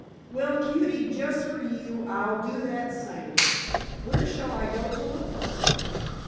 "Well, cutie, just for you, I'll do that same. Where shall I go to look for her?"